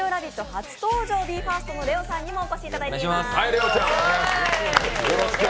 初登場、ＢＥ：ＦＩＲＳＴのＬＥＯさんにもお越しいただきました。